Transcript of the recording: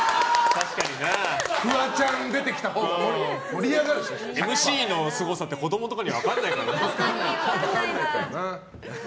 フワちゃん出てきたほうがＭＣのすごさ子供には分からないから。